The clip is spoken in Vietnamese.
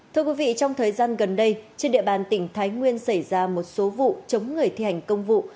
thưa quý vị trong thời gian gần đây trên địa bàn tỉnh thái nguyên xảy ra một số vụ chống người thi hành công vụ